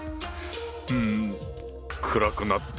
うん暗くなったぞ。